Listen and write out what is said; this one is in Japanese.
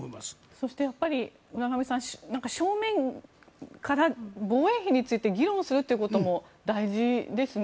そして、浦上さん正面から防衛費について議論することも大事ですね。